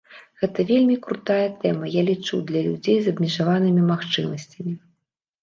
Гэта вельмі крутая тэма, я лічу, для людзей з абмежаванымі магчымасцямі.